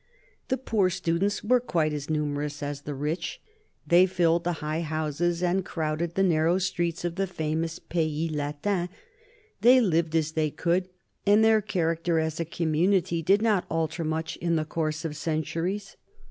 The poor students were quite as numerous as the rich ; they filled the high houses and crowded the narrow streets of the famous Pays Latin; they "lived as they could," and their character as a community did not alter much in the course of centuries.